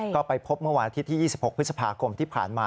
ก็ไปพบเมื่อวันอาทิตย์ที่๒๖พฤษภาคมที่ผ่านมา